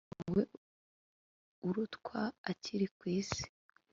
ntawe urutwa akiri ku isi